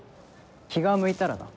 気が向いたらな。